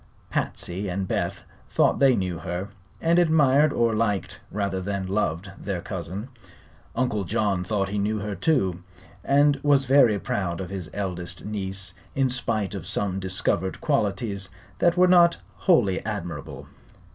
Patsy and Beth thought they knew her, and admired or liked rather than loved their cousin. Uncle John thought he knew her, too, and was very proud of his eldest niece in spite of some discovered qualities that were not wholly admirable.